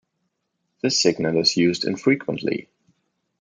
This signal is used infrequently.